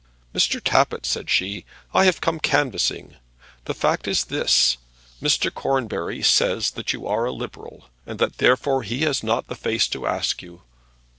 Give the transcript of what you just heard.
"Mr. Tappitt," said she, "I have come canvassing. The fact is this: Mr. Cornbury says you are a liberal, and that therefore he has not the face to ask you.